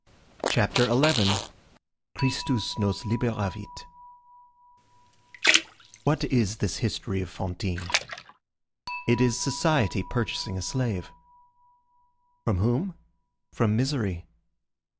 CHAPTER XI—CHRISTUS NOS LIBERAVIT What is this history of Fantine? It is society purchasing a slave. From whom? From misery.